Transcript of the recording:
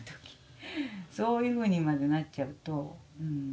そういうふうにまでなっちゃうとうん。